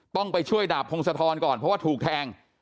ต้องไปช่วยดาบพงศธรก่อนเพราะว่าถูกแทง